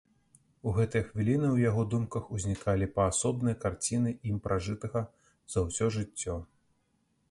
У гэтыя хвіліны ў яго думках узнікалі паасобныя карціны ім пражытага за ўсё жыццё.